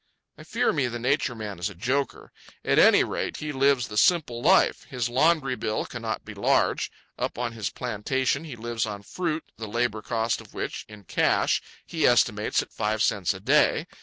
I fear me the Nature Man is a joker. At any rate he lives the simple life. His laundry bill cannot be large. Up on his plantation he lives on fruit the labour cost of which, in cash, he estimates at five cents a day.